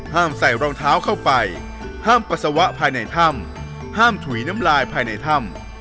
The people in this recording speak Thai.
ใส่รองเท้าเข้าไปห้ามปัสสาวะภายในถ้ำห้ามถุยน้ำลายภายในถ้ำ